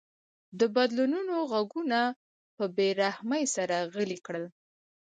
د بدلونونو غږونه په بې رحمۍ سره غلي کړل.